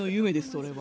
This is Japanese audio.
それは。